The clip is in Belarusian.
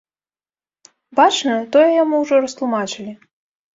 Бачна, тое яму ўжо растлумачылі.